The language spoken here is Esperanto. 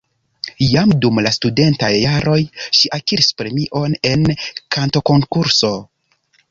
Jam dum la studentaj jaroj ŝi akiris premion en kantokonkurso.